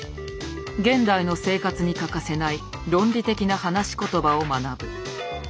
現代の生活に欠かせない論理的な話し言葉を学ぶ。